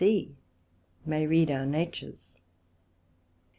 C. may read our natures.